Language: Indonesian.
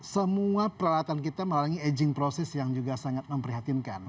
semua peralatan kita melalui aging proses yang juga sangat memprihatinkan